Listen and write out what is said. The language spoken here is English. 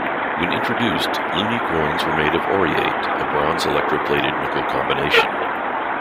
When introduced, loonie coins were made of Aureate, a bronze-electroplated nickel combination.